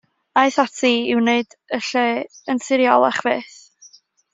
Aeth ati i wneud y lle yn siriolach fyth.